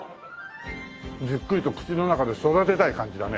じっくりと口の中で育てたい感じだね。